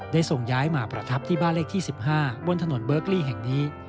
ส่งย้ายมาประทับที่บ้านเลขที่๑๕บนถนนเบิร์กลี่แห่งนี้